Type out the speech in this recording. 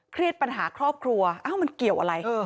เครียดปัญหาครอบครัวเอ้ามันเกี่ยวอะไรเออ